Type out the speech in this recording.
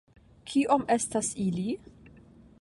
Kiom estas ili?